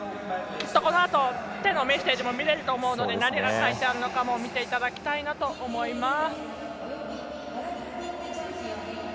きっとこのあと手のメッセージも見れると思うので何が書いてあるのかも見ていただきたいと思います。